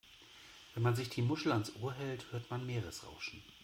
Wenn man sich die Muschel ans Ohr hält, hört man Meeresrauschen.